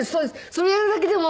それをやるだけでも。